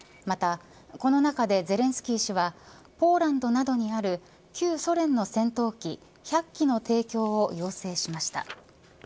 また、このなかでゼレンスキー氏はポーランドなどにある旧ソ連の戦闘機１００機の提供を要請しました。